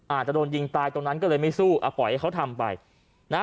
อาจจะโดนยิงตายตรงนั้นก็เลยไม่สู้อ่ะปล่อยให้เขาทำไปนะฮะ